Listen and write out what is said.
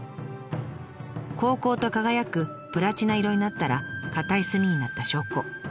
こうこうと輝くプラチナ色になったら硬い炭になった証拠。